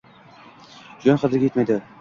Jon qadriga yetmaydi».